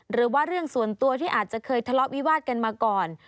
เรื่องส่วนตัวที่อาจจะเคยทะเลาะวิวาดกันมาก่อน